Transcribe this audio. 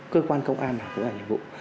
cơ quan công an nào cũng là nhiệm vụ